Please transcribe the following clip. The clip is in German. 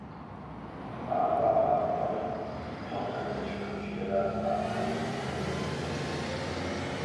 Barbara Bronnen ist die Tochter des Schriftstellers Arnolt Bronnen.